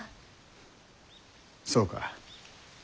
そうか。